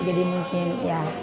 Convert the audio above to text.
jadi mungkin ya